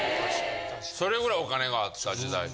・それぐらいお金があった時代。